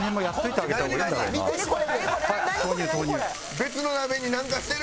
別の鍋になんかしてる！